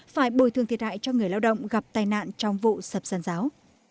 phải bồi thường thiệt hại cho người lao động gặp tai nạn trong vụ sập giàn giáo